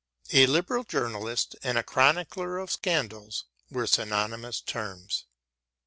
A liberal journalist and a chronicler of scandals were synonymous terms.